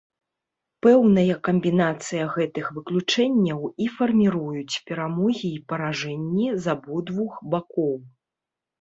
Пэўная камбінацыя гэтых выключэнняў і фарміруюць перамогі і паражэнні з абодвух бакоў.